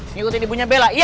ngikutin ibunya bela ya